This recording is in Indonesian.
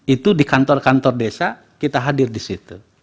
itu di kantor kantor desa kita hadir di situ